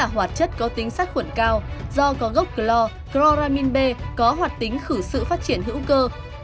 hóa chất chloramin b có hoạt tính khử sự phát triển hữu cơ